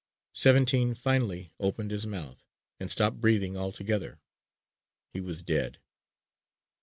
"Seventeen" finally opened his mouth and stopped breathing altogether. He was dead.